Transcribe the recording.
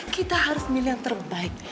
kita harus milih yang terbaik